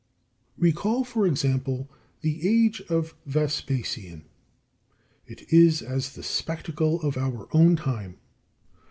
32. Recall, for example, the age of Vespasian. It is as the spectacle of our own time.